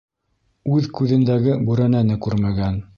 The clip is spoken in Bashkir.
Үҙ күҙендәге бүрәнәне күрмәгән